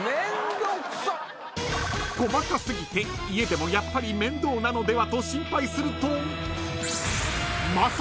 ［細か過ぎて家でもやっぱり面倒なのではと心配すると］